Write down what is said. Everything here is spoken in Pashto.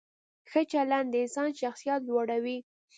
ښه چلند د انسان شخصیت لوړوي.